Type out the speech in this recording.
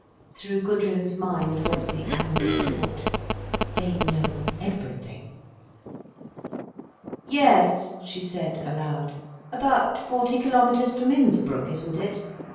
Through Gudrun's mind went the angry thought—"they know everything." "Yes," she said aloud, "about forty kilometres from Innsbruck, isn't it?"